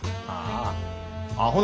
ああ。